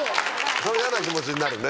そりゃ嫌な気持ちになるね。